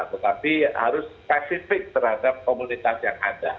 tetapi harus spesifik terhadap komunitas yang ada